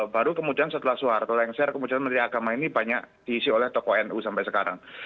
baru kemudian setelah soeharto lengser kemudian menteri agama ini banyak diisi oleh tokoh nu sampai sekarang